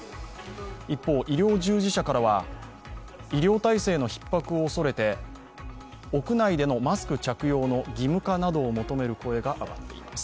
一方、医療従事者からは医療体制のひっ迫を恐れて屋内でのマスク着用の義務化などを求める声が上がっています。